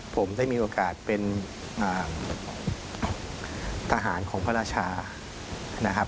ผมได้มีโอกาสเป็นทหารของพระราชานะครับ